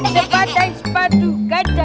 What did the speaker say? sepatai sepatu kaca